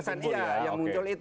kesan iya yang muncul itu